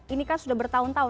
ini kan sudah bertahun tahun